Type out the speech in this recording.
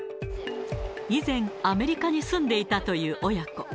以前、アメリカに住んでいたという親子。